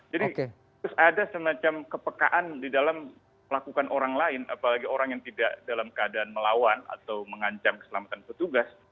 jadi terus ada semacam kepekaan di dalam lakukan orang lain apalagi orang yang tidak dalam keadaan melawan atau mengancam keselamatan petugas